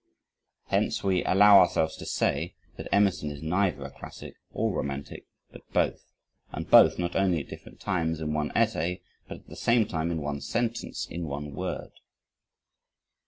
Hence, we allow ourselves to say, that Emerson is neither a classic or romantic but both and both not only at different times in one essay, but at the same time in one sentence in one word.